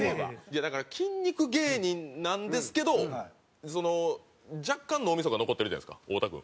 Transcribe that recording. いやだから筋肉芸人なんですけど若干脳みそが残ってるじゃないですか太田君。